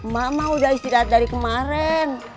mak mak udah istirahat dari kemarin